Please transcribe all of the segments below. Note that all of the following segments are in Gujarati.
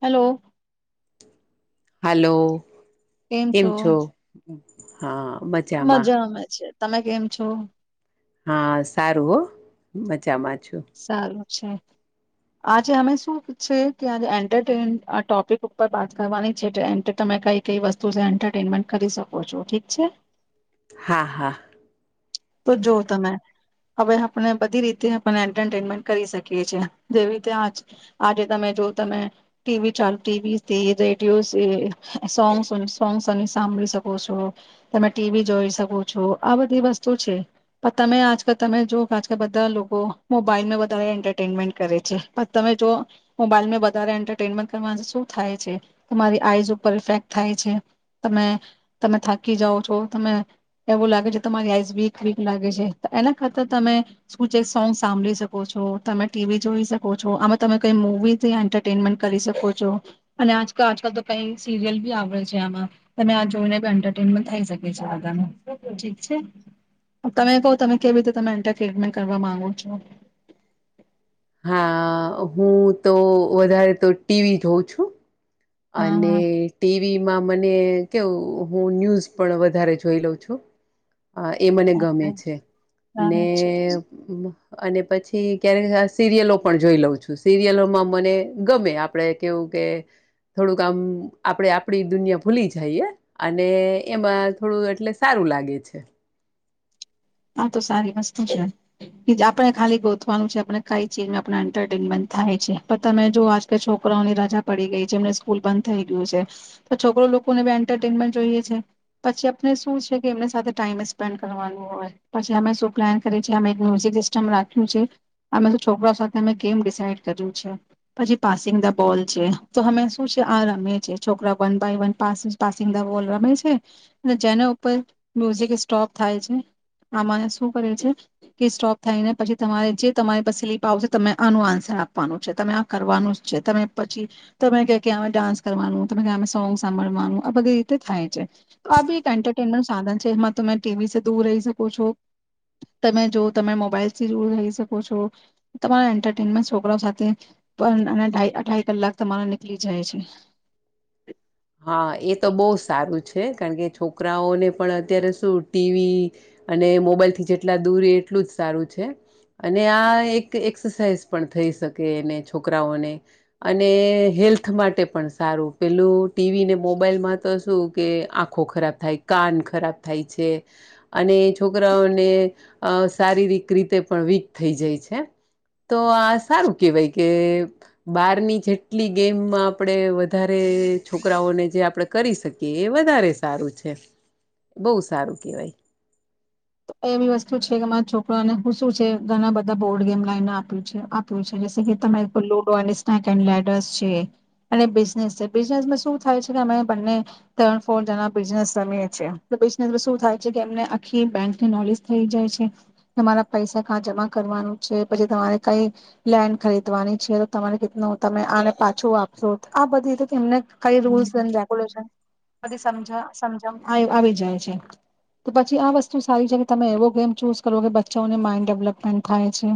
હલો. હલો. એમ છો. હા. મજામાં મજા અમે છે તમે કેમ છો. હા સારું હો મજામાગ સારુ. છે આજે અમે શું છે કે આજે એન્ટરટેન આ ટોપિક ઉપર વાત કરવાની છે તમે કઈ કઈ વસ્તુ એન્ટરટેનમેન્ટ કરી શકો છો ઠીક છે. હા હા. તો જો તમે હવે આપણે બધી રીતે આપણે એન્ટરટેનમેન્ટ કરી શકીએ છીએ જેવી રીતે આજે તમે જો તમે ટીવી ચાલુ ટીવીથી રેડિયો સો સોંગસ સાંભળી શકો છો તમે ટીવી જોઈ શકો છો આ બધી વસ પણ તમે આજકાલ તમે જો આજકાલ બધા લોકો મોબાઈલ વધારે એન્ટરટેનમેન્ટ કરે છે પણ તમે જો મોબાઈલ વધારે એન્ટરટેનમેન્ટ કરવા શું થાય છે તમારી આઈઝ ઉપર ઇફેક્ટ થાય છે તમે તમે થાકી જાઓ છો તને એવું લાગે છે તમારી આઈઝ વીક વીક લાગે છે એના કરતા તમે શુંચક સોંગ સાંભળી શકો છો તમે ટીવી જોઈ શકો છો આમાં તમે કઈ મુવીથી એન્ટરટેનમેન્ટ કરી શકો છો અને આ આજકાલ તો કઈ સિરિયલ બી આવે છે આમાં તમે આ જોઈને બ એન્ટરટેનમેન્ટ થઈ શકે છે આધાનું ઠીક છે. તમે કહો તમે કેવી રીતે તમે એન્ટરટેનમેન્ટ કરવા માંગો છો. હ હું તો વધારે તો ટીવી જોઉં છું. અને હા ટીવી માં મને કેવું હું ન્યૂઝ પણ વધારે જોઈ લઉં છું. અ એ મને ગમે છે હા ને અને પછી ક્યારેક સિરિયલો પણ જોઈ લઉં છું સિરિયલોમાં મને ગમે આપણેે કેવું કે થોડુંક આમ આપણે આપણી દુનિયા ભૂલી જઈએ અને એમાં થોડું એટલે સારું લાગે છે. આ તો સારી વસ્તુ છે આપણે ખાલી ગોતવાનું છે આપને કઈ ચીજમાં આપ એન્ટરટેનમેન્ટ થાય છે પણ તમે જો આજ છોકરાઓની રજા પડી ગઈ છે એમને સ્કૂલ બંધ થઈ ગયું છે તો છોકરો લોકોને એન્ટરટેનમેન્ટ જોઈએ છે પછી આપને શું છે કે એમ સાથે ટાઈમ સ્પેન્ડ કરવાનું હોય. પછી અમે શું પ્લાન કરીએ છે અમે મ્યુઝિક સિસ્ટમ રાખ્યું છે અમે છોકરા સાથે અમે ગેમ ડિસાઈડ કર્યું છે પછી પાસિંગ ધ બોલ છે તો અમે શું છે આ રમે છે છોકરા one by one passing the ball રમે છે અને જેના ઉપર મ્યુઝિક સ્ટોપ થાય છે. આમાં શું કરે છે કે સ્ટોપ થાય ને પછી તમારે જે તમારી સ્લીપ આવશે ત આનું આન્સર આપવાનું છે તમે આ કરવાનું જ છે તમે પછી તમે ક ડાન્સ કરવાનું તમે સોંગ સાંભળવાનું આ બધી રીતે થાય છે તો આ બી એક એન્ટરટેનમેન્ટ સાધન છે એમાં તમે ટીવી થી દૂર રહી શકો છો તમે જો તમે મોબાઈલથી દૂર રહી શકો છો તમારા એન્ટરટેનમેન્ટ છોકરાઓ સાથે પણઢ અઢાઈ કલાક તમારા નીકળી જાય છે. હા એ તો બહુ સારું છે કારણ કે છોકરાઓને પણ અત્યારે શું ટીવી અને મોબાઈલથી જેટલા દૂર એટલું જ સારું છે અને આ એક એક્સરસાાઈઝ પણ થઈ શકે એને છોકરાઓને અને હેલ્થ માટે પણ સારું પેલું ટીવી ને મોબાઈલમાં તો શું કે આંખો ખરાબ થાય કાન ખરાબ થાય છે અને છોકરાઓને શારીરિક રીતે પણ વીક થઈ જાય છે તો આ સારું કહેવાય કે બારની જેટલી ગેમમાં આપણે વધારે છોકરાઓને જે આપણે કરી શકીએ એ વધારે સારું છે બહુ સારું કેહેવાય. એ વસ્તુ છે કેરા છોકરાને હું શું છે ઘણા બધા બોર્ડ ગેમ લાઈને આપ્યું છે આપ્યું છે કે તમે ludo and snake and ladders છે અને બિઝનેસ છે બિઝનેસ શ થાય છે કે અમે બને ફર જ બિનેસ રી છેએ બિસ શ થાય છે કે એમને આખી બેક નોલેજ થઈ જાય છે તમારા પૈસા કા જમા કરવાનું છે પછી તમારે કઈ લેન્ડ ખરીદવાની છે તો તમારે કે તમે આને પાછું આપશો આ બધીને કઈ રૂલ્સ એ રેગ્યુલેશન બધીજ આવી જાય છે તો પછી આ વસ્તુ સારી છે કે તમે એવો ગેમ ચૂઝ કરો કે બચ્ચાઓને માઈન્ડ ડેવલપમેન્ટ થાય છે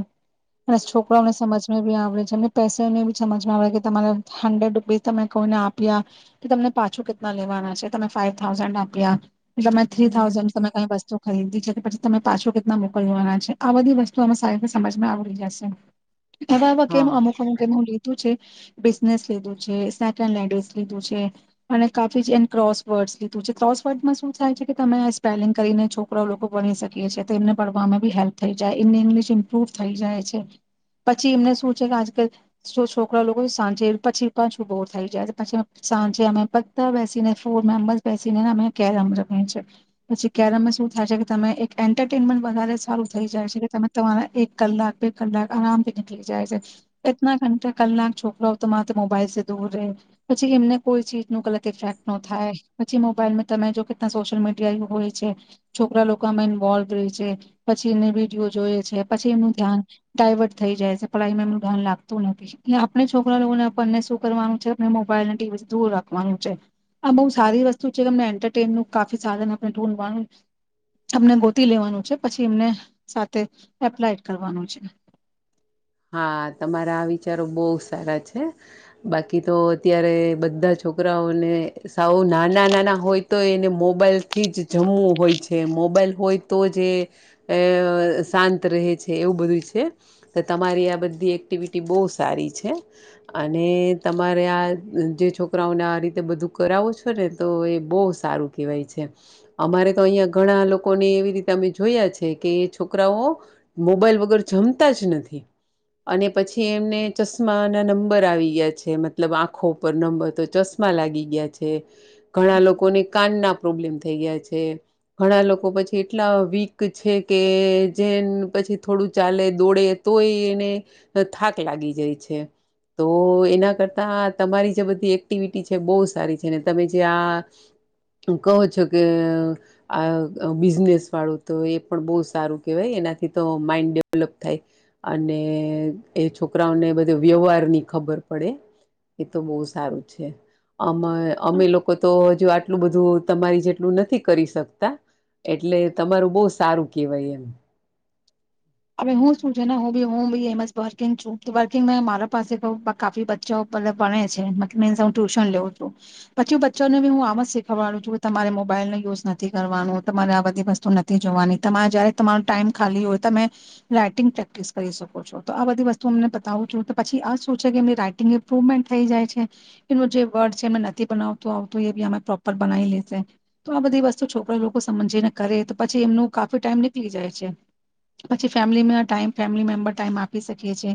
અને છોકરાઓને સમજમાં બી આવડે છે એમને પૈસાને બી સમજમાં આવડે છે કે તમારે હન્ડ્રેડ રૂપીસ તમે કોઈને આપ્યા કે તમને પાછું કેટલા લેવાના છે તમે ફાાઈવ થાઉઝન્ડ આપ્યા તમે થ્રી થાઉઝન્ડ તમે કઈ વસ્તુ ખરીદી છે કે પછી તમે પાછો કેટલા મોકલવાના છે આ બધી વસ્તુ અ સારી રીતે સમાજમાં આવડી જશે. હવે હવા કેમ હા અમુકમુક કેમું બિઝનેસ લીધું છે સેન્ડ લેડેસ લીધું છે અને કાફી જડ ક્રોસ વર્ડસ લીધું છે ક્રોસ વર્ડમાં શું થાય છે કે તમે આ સ્પેલિંગ કરીને છો છોકરા લોકો ભણી શકીએ છીએ તો એમને પડવામાં બી હેલ્પ થઈ જાય એમને ઇંગ્લિશ ઇમ્પ્રુવ થઈ જાય છે પછી એમને શું છે કે આજકાલ જો છોકરા લોકો સાંજે પછી પાછું બોર થઈ જાય પછી સાંજે અમે બધા બેસીને ફોર મેમ્બર્સ બેસીનેને અમે કેરમ રમેીએી પછી કેરમ શ થાય છે કે તમે એક એન્ટરટેનમેન્ટ વધારે સારું થઈ જાય છે કે તમે તમારા એક કલાક બે કલાક આરામથી નીકળી જાય છે એટ ઘ કલાક છોકરાઓ તમારે મોબાઈલ દૂર રહે પછી એમને કોઈ ચીજ નું કલર ફેક્ટ ન થાય પછી મોબાઈલમાં તમે જો કે સોશિયલ મીડિયા હોય છે છોકરા લોકોમાં ઇન્વોલ્ રય છે પછી એમને વિડીયો જોઈ છે પછી એમનું ધ્યાન ડાયવર્ટ થઈ જાય છે પાઈમાં એમનું ધ્યાન લાગતું નથી એ આપણે છોકરા લોકોને આપણને શું કરવાનું છે મોબાઈલને ટીવી દૂર રાખવાનું છે આ બહુ સારી વસ્તુ છેમને એન્ટરટેનનું કાફી સાધન આપણે ૂંઢવાનું અમને ગોતી લેવાનું છે પછી એમને સાથે એપ્લાયડ કરવાનું છે હા તમારા આ વિચારો બહુ સારા છે બાકી તો અત્યારે બધા છોકરાઓને સૌ નાના નાના હોય તો એને મોબાઈલ થી જ જમવું હોય છે મોબાઈલ હોય તો જ એ અ શાંત રહે છે એવું બધું છે તમારી આ બધી એક્ટિવિટી બહુ સારી છે અને તમારે આ જે છોકરાઓને આ રીતે બધું કરાવો છો ને તો એ બહુ સારું કહેવાય છે અમારે તો અહીંયા ઘણા લોકોને એવી રીતે અમે જોયા છે કે એ છોકરાઓ મોબાઈલ વગર જમતા જ નથી અને પછી એમને ચશ્મા ના નંબર આવી ગયા છે મતલબ આંખો ઉપર નંબર તો ચશ્મા લાગી ગયા છે ઘણા લોકોને કાન ના પ્રોબ્લેમ થઈ ગયા છે ઘણા લોકો પછી એટલા વીક છે કે જે પછી થોડું ચાલે દોડે તો એ એને થાક લાગી જાય છે તો એના કરતા તમારી જે બધી એક્ટિવિટી છે બહુ સારી છે ને તમે જે આ કહો છો કે આ બિઝનેસ વાળું તો એ પણ બહુ સારું કેહેવાય એનાથી તો માઈન્ડ ડેવલપ થાય અને એ છોકરાઓને બધો વ્યવહાર ની ખબર પડે એ તો બહુ સારું છે અ અમે લોકો તો હજુ આટલું બધું તમારી જેટલું નથી કરી શકતા એટલે તમારું બહુ સારું કેહેવાય એમ હવે હું શું છે ને હું બી હું બી એમ વર્કિંગ છું વર્કિંગ મે મારા પાસે કાી બચ્ચો મબ વણે છે મે હું ટ્યુશન લેઉું છું પછી બચ્ચોનેી હું આમ જ શીખવાડું છું કે તમારે મોબાઈલ નને યુઝ નથી કરવાનું તમારે આ બધી વસ્તુ નથી જોવાની તમારે જયારે તમારો ટાઈમ ખાલી હોય તમે રાઈટિંગ પ્રેક્ટિસ કરી શકો છો તો આ બધી વસ્તુ અમને બતાવું છું તો પછી આ શું છે કે એમની રાઈટિંગ ઇમ્પ્રુવમેન્ટ થઈ જાય છે એમનું જે વર્ડ છે એ નથી બનાવતું આવતું એ બી આમે પ્રોપર બનાવી લેશે તો આ બધી વસ્તુ છોકરા લોકો સમજીને કરે તો પછી એમનું કાફી ટાઈમ નીકળી જાય છે પછી ફેમિલીમાં ટાઈમ ફેમિલી મેમ્બર ટાઈમ આપી શકીએ છીએ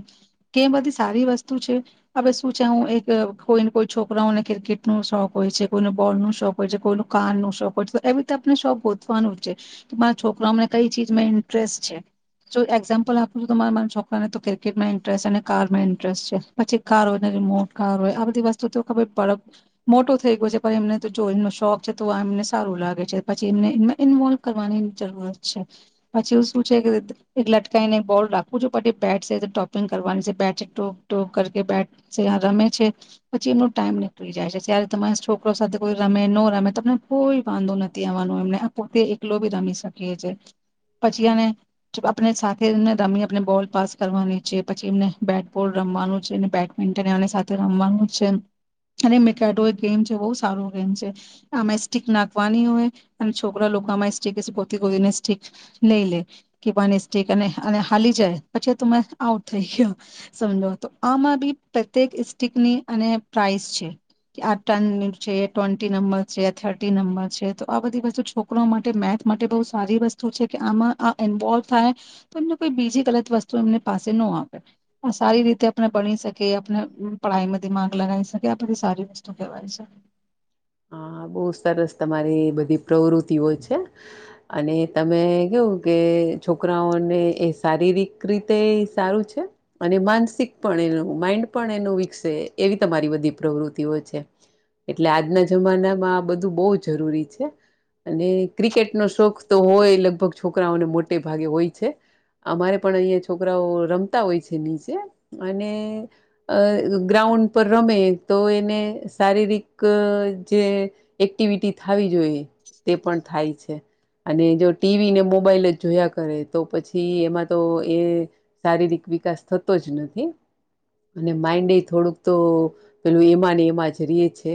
કે બધી સારી વસ્તુ છે હવે શું છે હું એક કોઈને કોઈ છોકરાઓને ક્રિકેટ ન શોખ હોય છે કોઈનો બોલ ન શોખ હોય છે કોઈનું કાર ન શોખ હોય છે તો એવી રીતે આપને શોખ ગોતવાનું જ છે મારા છોકરાઓને કઈ ચીજમાં ઇન્ટરેસ્ટ છે જો એક્ઝામ્પલ આપું છું તો તમારા મારા છોકરાને તો ક્રિકેટમાં ઇન્ટરેસ્ટ અને કારમાં ઇન્ટરેસ્ટ છે પછી કાર હોય ને રિમોટ કાર હોય આ બધી વસ્તુ તો ખબરડ મોટો થઈ ગયો છે પણ એમને જો એનો શોખ છે તો એમને સારું લાગે છે પછી એમને એમાં ઇન્વોલ્વ કરવાની જરૂરત છે પછી એ શું છે કે એક એક બોલ રાખું છ પછી બેટ છે ટોપિંગ કરવાની છે બેટ છે ટોક ટોક કર બેટ છે રમે છે પછી એમનો ટાઈમ નીકળી જાય છે ત્યારે તમારા છોકરો સાથે કોઈ રમે ન રમે તમને કોઈ વાંધો નથી આવવાનો એમને આ પોતે એકલો બી રમી શકીએ છે પછી આ આપને સાથેને રમી આપને બોલ પાસ કરવાની છે પછી એમને બેટ બોલ રમવાનું છે બેડમિન્ટન એમ સાથે રમવાનું છે અને એ મિકડો એક ગેમ છે બહુ સારું ગેમ છે આમાં સ્ટીક નાખવાની હોય અને છોકરા લોકો આમાં સ્ટક કોતી કોને સ્ટીક લઈ લે કે પાની સેક અને હાલી જાય પછી તમે આઉટ થઈ ગયો સમજો તો આમાં બી પ્રેક સ્ટીકની અને પ્રાઇસ છે કે આ ટન છે ટ્વેન્ટી નંબર છે થર્ટી નંબર છે તો આ બધી વસ્તુ છોકરો માટે મેથ માટે બહુ સારી વસ્તુ છે કે આમાં ઇન્વોલ્વ થાય તો એમને કોઈ બીજી ગલત વસ્તુ એમની પાસે ન આપે આ સારી રીતે આપણે ભણી શકીએ આપણે પાઈમાં દિમાગ લગાવી શકે આ બધી સારી વસ્તુ કહેવાય શ હા બહુ સરસ તમારી બધી પ્રવૃતિઓ છે અને તમે કેવું કે છોકરાઓને એ શારીરિક રીતે સારું છે અને માનસિક પણ એનું માઈન્ડ પણ એનું વિકસે એવી તમારી બધી પ્રવૃત્તિઓ છે એટલે આજના જમાનામાં આ બધું બહુ જરૂરી છે અને ક્રિકેટનો શોખ તો હોય લગભગ છોકરાઓને મોટે ભાગે હોય છે અમારે પણ અહીંયા છોકરાઓ રમતા હોય છે નીચે અને ગ્રાઉન્ડ પર રમે તો એને શારીરિક જે એક્ટિવિટી થવી જોઈએ તે પણ થાય છે અને જો ટીવી ને મોબાઈલ જ જોયા કરે તો પછી એમાં તો એ શારીરિક વિકાસ થતો જ નથી અને માઈન્ડ એ થોડુંક તો પેલું એમાં ને એમાં જરીએ છે.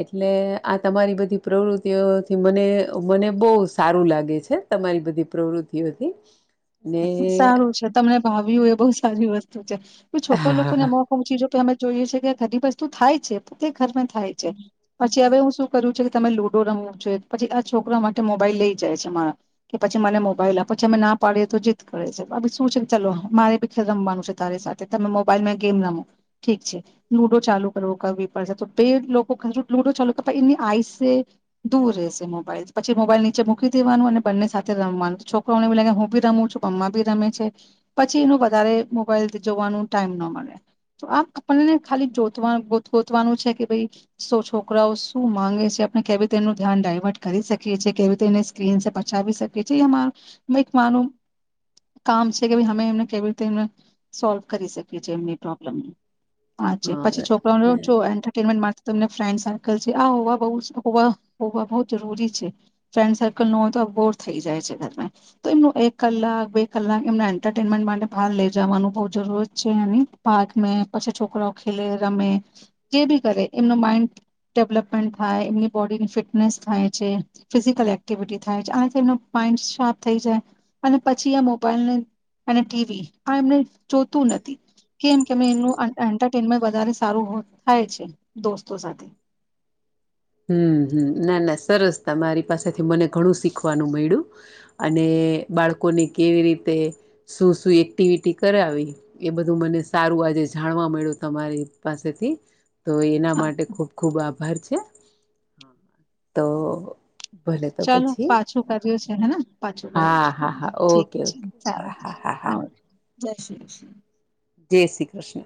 એટલે આ તમારી બધી પ્રવૃત્તિઓથી મને મને બો સારું લાગે છે તમારી બધી પ્રવૃતિઓથી સારું છે તમને ભાવ્યું હોય એ બોવ સારી વસ્તુ છોકરા લોકો હા ને હા [unintelligible] અમે જોઈએ છે કે ઘણી વસ્તુ થાય છે તે ઘરમાં થાય છે પછી હવે હું શું કરું છે કે તમે લુડો રમવો છે પછી આ છોકરા માટે મોબાઈલ લઈ જાય છે મારા કે પછી મને મોબાઈલ આપ પછી અમે ના પાડીએ જ કરે છેી શું છે ચલો મારે બી ખેલ રમવાનું છે તારી સાથે તમે મોબાઈલમાં ગેમ રમો ઠીક છે લુડો ચાલુ કરવો કરવી પડશે તો બે લોકો લુડો ચાલુ કર એની આઈસે દૂર રહેશે મોબાઈલ પછી મોબાઈલ નીચે મૂકી દેવાનું અને બંને સાથે રમવાનું છોકરોને એ લાગે હું બી રમ છ મમ્ બી રમે છે પછી એનો વધારે મોબાઈલ જોવાનું ટાઈમ ન મળે તો આ આપણને ખાલી જો ગોતવાનું છે કે ભાઈ સો છોકરાઓ શું માંગે છે આપણે કેવી રીતે એનું ધ્યાન ડાયવર્ટ કરી શકીએ છીએ કેવી રીતે એને સ્ક્રીન પચાવી શકીએ છીએ એ એક માનું કામ છે કે ભ અમે એમને કેવી રીતે એ સોલ્વ કરી શકીએ છીએ એમની પ્રોબ્લેમ હ પછી છોકરા જો એન્ટરટેનમેન્ટ તમને ફ્રેન્ડ સર્કલ છે આ હોવા બહુ હોવા હોવા બહુ જરૂરી છે ફ્રેન્ડ સર્કલ ન હોય તો આ બોર થઈ જાય છે ઘરમાં તો એમનું એક કલાક બે કલાક એમના એન્ટરટેનમેન્ટ માટે બહાર લઇ જવાનું બહ જરૂર જ છે પાર્ક પછી છોકરાઓ ખેલે રમે જે બી કરે એમનું માઈન્ડ ડેવલપમેન્ટ થાય એમની બોડીની ફિટનેસ થાય છે ફિઝિકલ એક્ટિવિટી થાય છે આનાથી એમનું માઇન્ડ શોર્પ થઈ જાય અને પછી આ મોબાઈલ અને ટીવી આ એમને જોતું નથી કેમ કે એમનું એન્ટરટેનમેન્ટ વધારે સારું થાય છે દોસ્તો સાથે હમ હમ ના ના સરસ તમારી પાસેથી મને ઘણું શીખવાનું મળ્યું અને બાળકોને કેવી રીતે શું-શું એક્ટિવિટી કરાવી એ બધું મને સારું આજે જાણવા મળ્યું તમારી પાસેથી તો એના હા માટે ખુબ ખુબ આભ આભાર છે. તો ભલે તો ચાલો પછી પાછું કર્યું છે હેના પાછું કર્યું છે હા હા હા ઠીક ઓકે છે ઓકે ચાલો હા હા હા હા આવ જય શ્રી કૃષ્ણ જય શ્રી કૃષ્ણ